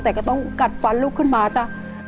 แต่ก็ต้องกัดฟันลูกขึ้นมาจ้ะ